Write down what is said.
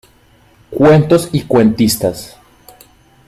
Cuentos y cuentistas.